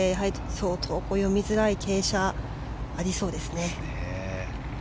相当、読みづらい傾斜がありそうですね。